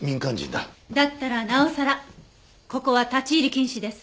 だったらなおさらここは立ち入り禁止です。